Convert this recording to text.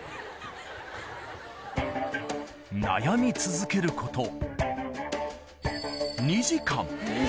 悩み続けること２時間！